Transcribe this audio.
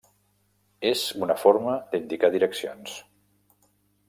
És una forma d'indicar direccions.